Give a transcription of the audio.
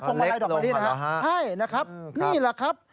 งลายดอกมะลินะฮะใช่นะครับนี่แหละครับ